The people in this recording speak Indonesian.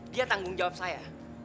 dia tanggung jawab saya